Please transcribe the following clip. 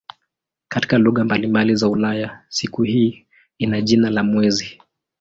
Katika lugha mbalimbali za Ulaya siku hii ina jina la "mwezi".